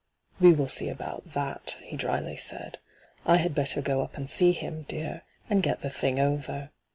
' We will see about that,' he dryly said. ' I had better go up and see him, dear, and get the thing over.